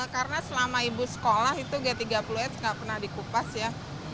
karena selama ibu sekolah itu g tiga puluh s nggak pernah dikupas ya